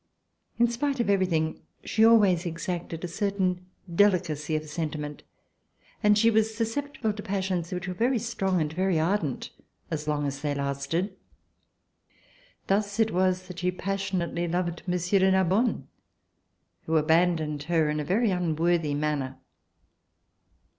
In spite of every thing, she always exacted a certain delicacy of senti ment, and she was susceptible to passions which were very strong and very ardent as long as they lasted. Thus it was that she passionately loved Mon sieur de Narbonne, who abandoned her in a very unworthy manner.